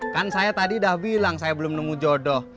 kan saya tadi udah bilang saya belum nemu jodoh